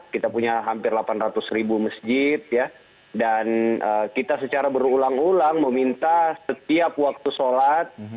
kita punya hampir delapan ratus ribu masjid dan kita secara berulang ulang meminta setiap waktu sholat